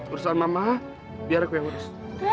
urusan mama biar aku yang urus